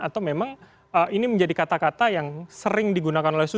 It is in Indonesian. atau memang ini menjadi kata kata yang sering digunakan oleh